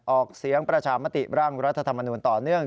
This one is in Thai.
ออกเสียงประชามติร่างรัฐธรรมนูลต่อเนื่อง